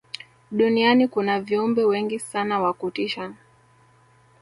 duniani kuna viumbe wengi sana wa kutisha